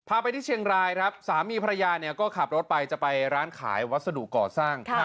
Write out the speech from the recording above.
พาไปที่เชียงรายครับสามีภรรยาเนี่ยก็ขับรถไปจะไปร้านขายวัสดุก่อสร้าง